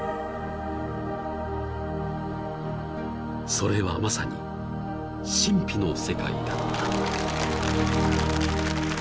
［それはまさに神秘の世界だった］